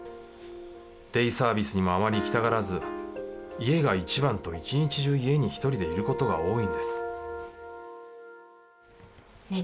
デイサービスにもあまり行きたがらず「家が一番」と一日中家に一人でいる事が多いんですねえ